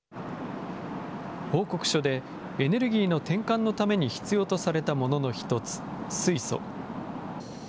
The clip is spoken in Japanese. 報告書でエネルギーの転換のために必要とされたものの１つ、水素。